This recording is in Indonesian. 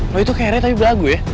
lo itu kayaknya raya tapi berlaku ya